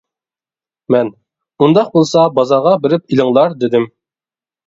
مەن: ئۇنداق بولسا بازارغا بېرىپ ئېلىڭلار، دېدىم.